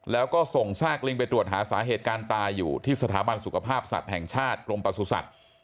แล้วก็ส่งซากลิงไปตรวจหาสาเหตุการณ์ตายอยู่ที่สถาบันสุขภาพสัตว์แห่งชาติกรมประสุทธิ์